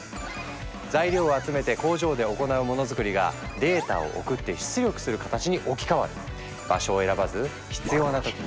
材料を集めて工場で行うモノづくりがデータを送って出力する形に置き換わる。